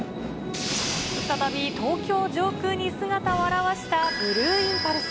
再び東京上空に姿を現したブルーインパルス。